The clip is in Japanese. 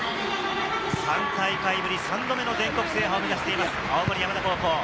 ３大会ぶり３度目の全国制覇を目指しています、青森山田高校。